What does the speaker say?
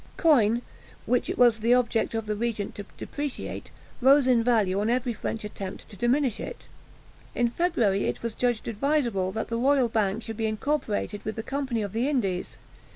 Coin, which it was the object of the regent to depreciate, rose in value on every fresh attempt to diminish it. In February, it was judged advisable that the Royal Bank should be incorporated with the Company of the Indies.